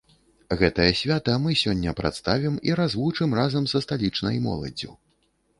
Гэтае свята мы сёння прадставім і развучым разам са сталічнай моладдзю.